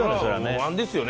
不安ですよね。